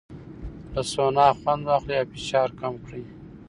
له سونا خوند واخلئ او فشار کم کړئ.